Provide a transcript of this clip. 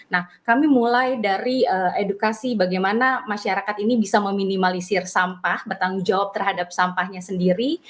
nah kami mulai dari edukasi bagaimana masyarakat ini bisa meminimalisir sampah bertanggung jawab terhadap sampahnya sendiri